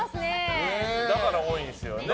だから多いんですよね